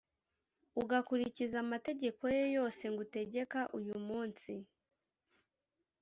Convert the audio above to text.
ugakurikiza amategeko ye yose ngutegeka uyu munsi,